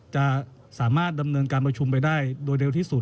จะสามารถดำเนินการประชุมไปได้โดยเร็วที่สุด